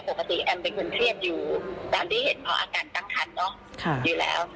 ปกติแอมเป็นคนเครียดอยู่ตามที่เห็นพออาการตั้งครรภ์อยู่แล้ว